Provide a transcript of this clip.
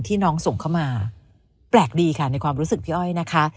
น้องส่งเข้ามาแปลกดีค่ะในความรู้สึกพี่อ้อยนะคะ